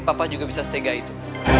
papa juga bisa stega itu